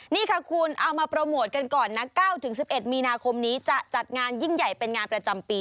นี่ค่ะคุณเอามาโปรโมทกันก่อนนะ๙๑๑มีนาคมนี้จะจัดงานยิ่งใหญ่เป็นงานประจำปี